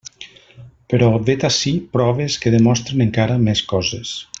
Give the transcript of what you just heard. Però vet ací proves que demostren encara més coses.